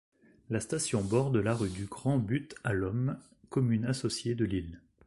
La station borde la rue du Grand-But à Lomme, commune-associée de Lille.